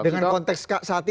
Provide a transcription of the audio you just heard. dengan konteks saat ini